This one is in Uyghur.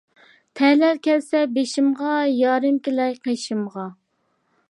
تەلەي كەلسە بېشىمغا، يارىم كېلەر قېشىمغا.